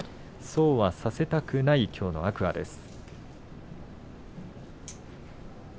そうはさせたくない天空海です。